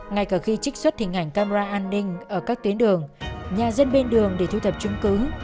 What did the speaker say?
ngay cả khi trích xuất hình ảnh camera an ninh ở các tuyến đường nhà dân bên đường để thu thập chứng cứ